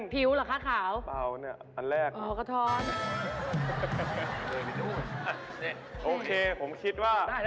ผิวเหรอคะขาว